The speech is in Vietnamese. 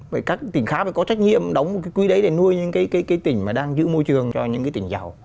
vậy các tỉnh khác phải có trách nhiệm đóng một cái quỹ đấy để nuôi những cái tỉnh mà đang giữ môi trường cho những cái tỉnh giàu